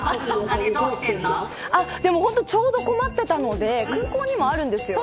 ちょうど困ってたので空港にもあるんですよね。